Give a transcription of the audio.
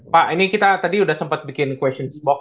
pak ini kita tadi udah sempet bikin questions box